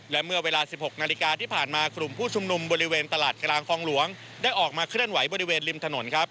และเมื่อเวลา๑๖นาฬิกาที่ผ่านมากลุ่มผู้ชุมนุมบริเวณตลาดกลางคลองหลวงได้ออกมาเคลื่อนไหวบริเวณริมถนนครับ